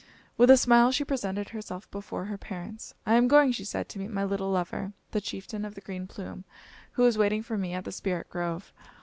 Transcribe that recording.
With a smile, she presented herself before her parents. "I am going," she said, "to meet my little lover, the Chieftain of the Green Plume, who is waiting for me at the Spirit Grove."